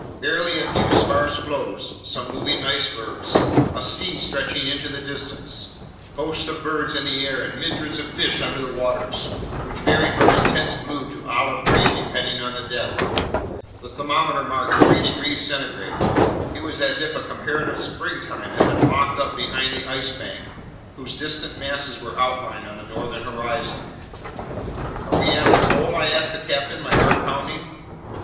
Barely a few sparse floes, some moving icebergs; a sea stretching into the distance; hosts of birds in the air and myriads of fish under the waters, which varied from intense blue to olive green depending on the depth. The thermometer marked 3 degrees centigrade. It was as if a comparative springtime had been locked up behind that Ice Bank, whose distant masses were outlined on the northern horizon. "Are we at the pole?" I asked the captain, my heart pounding.